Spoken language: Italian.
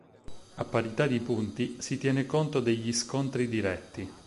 A parità di punti, si tiene conto degli scontri diretti.